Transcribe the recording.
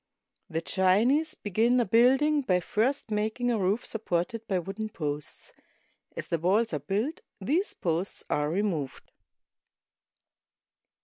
The Chinese begin a building by first making a roof supported by wooden posts. As the walls are built, these posts are removed.